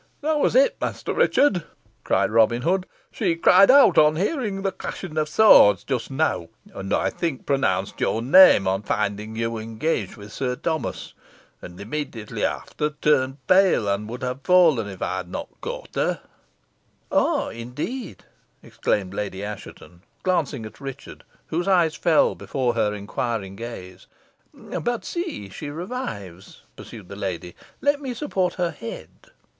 "That was it, Master Richard," cried Robin Hood; "she cried out on hearing the clashing of swords just now, and, I think, pronounced your name, on finding you engaged with Sir Thomas, and immediately after turned pale, and would have fallen if I had not caught her." "Ah, indeed!" exclaimed Lady Assheton, glancing at Richard, whose eyes fell before her inquiring gaze. "But see, she revives," pursued the lady. "Let me support her head."